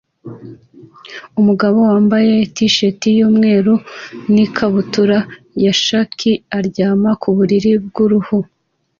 Umugabo wambaye t-shirt yumweru na ikabutura ya khaki aryama ku buriri bwuruhu